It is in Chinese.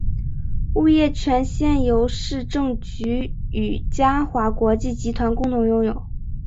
物业权现由市建局与嘉华国际集团共同拥有。